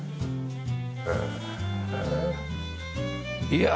いや！